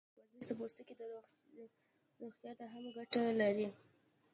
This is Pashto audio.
ورزش د پوستکي روغتیا ته هم ګټه لري.